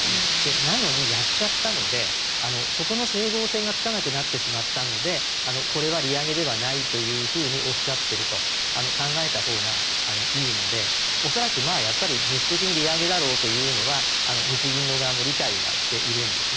なのにやっちゃったのでそこの整合性がつかなくなってしまったのでこれは利上げではないというふうにおっしゃっていると考えたほうがいいので恐らく実質的に利上げだろうというのは日銀の側も理解はしているんですね。